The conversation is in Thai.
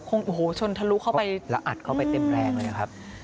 คงโอ้โหชนทะลุเข้าไปละอัดเข้าไปเต็มแรงเลยนะครับ